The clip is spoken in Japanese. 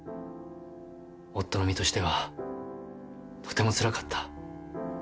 夫の身としてはとてもつらかった。